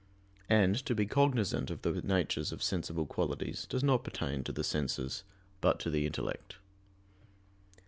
And to be cognizant of the natures of sensible qualities does not pertain to the senses, but to the intellect.